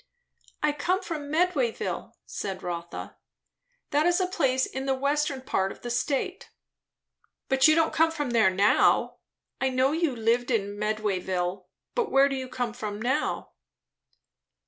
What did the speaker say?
"I come from Medwayville," said Rotha. "That is a place in the western part of the state." "But you don't come from there now. I know you did live in Medwayville. But where do you come from now?"